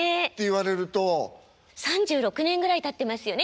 ３６年ぐらいたってますよね